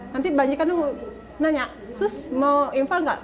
nanti banjikan nanya terus mau infal nggak